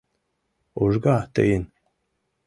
Ужга тыйын.